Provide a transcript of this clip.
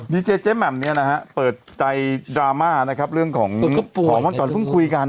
นี้เจ้ะแบ่มเปิดใจดราม่านะครับเพราะว่าพรมก่อนพึ่งคุยกัน